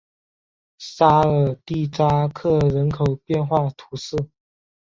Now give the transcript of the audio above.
沙尔蒂扎克人口变化图示